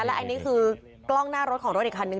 และอันนี้คือกล้องหน้ารถของรถอีกคันนึง